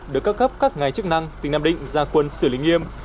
được cấp cấp các ngài chức năng tỉnh nam định ra quân xử lý nghiêm